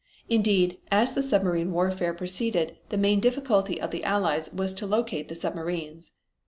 Indeed, as the submarine warfare proceeded the main difficulty of the Allies was to locate the submarines.